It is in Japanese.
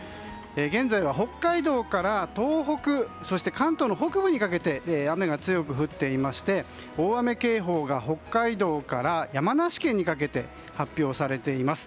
現在は北海道から東北そして関東の北部にかけて雨が強く降っていまして大雨警報が北海道から山梨県にかけて発表されています。